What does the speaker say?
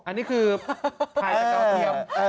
อันนี้คือถ่ายจากดาวเทียม